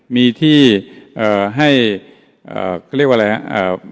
มีที่เอ่อให้เอ่อเขาเรียกว่าอะไรฮะอ่า